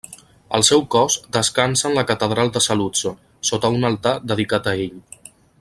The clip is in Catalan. El seu cos descansa en la Catedral de Saluzzo, sota un altar dedicat a ell.